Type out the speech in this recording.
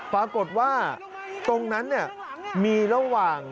ปรากฏว่าตรงนั้นมีระหว่าง